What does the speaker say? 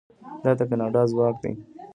دا د کاناډا ځواک دی.